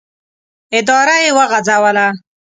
اداره یې وغځوله.